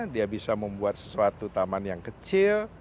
dia bisa membuat sesuatu taman yang kecil